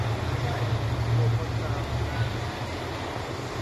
บัวพ้นน้ำ